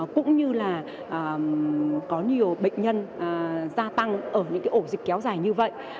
cũng như là có nhiều bệnh nhân gia tăng ở những ổ dịch kéo dài như vậy